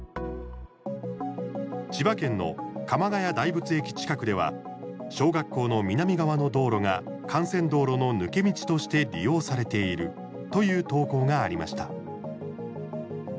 千葉県の鎌ヶ谷大仏駅近くでは小学校の南側の道路が幹線道路の抜け道として利用されているという投稿がありました。